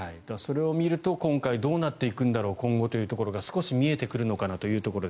それを見ると今回、どうなっていくんだろう今後というところが少し見えてくるのかなと。